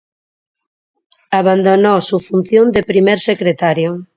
Abandonó su función de primer secretario.